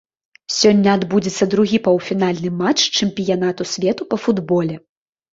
Сёння адбудзецца другі паўфінальны матч чэмпіянату свету па футболе.